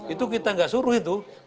itu kita nggak suruh itu